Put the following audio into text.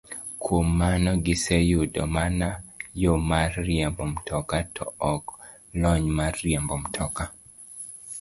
Kuom mano, giseyudo mana yo mar riembo mtoka, to ok lony mar riembo mtoka.